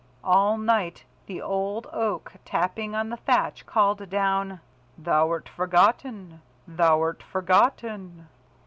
All night the old Oak, tapping on the thatch, called down, "Thou'rt forgotten! Thou'rt forgotten!"